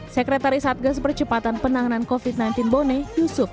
sekretaris satgas percepatan penanganan covid sembilan belas bone yusuf